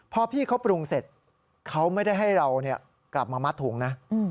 พอพี่เขาปรุงเสร็จเขาไม่ได้ให้เรากลับมามัดถุงนะ